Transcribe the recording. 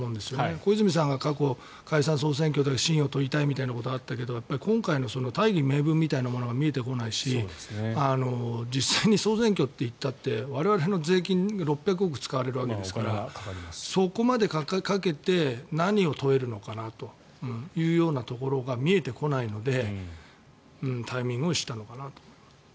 小泉さんが過去解散・総選挙で信を問いたいということがあったけど今回の大義名分みたいなものが見えてこないし実際に総選挙っていったって我々の税金６００億使われるわけですからそこまでかけて何を問えるのかなというところが見えてこないのでタイミングを逸したのかなと。